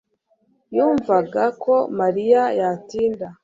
yumvaga ko Mariya yatinda.